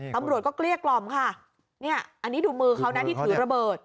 ตำรวจก็เกลี้ยกล่อมค่ะเนี่ยอันนี้ดูมือเขานะที่ถือระเบิด